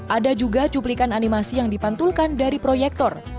ada juga cuplikan animasi yang dipantulkan dari proyektor